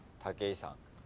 武井さん